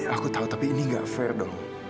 aku tahu tapi ini gak fair dong